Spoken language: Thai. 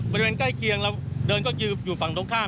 บูรณ์กล้ายเคียงก็ขึ้นก็อยู่ส่วนฝั่งตรงข้าม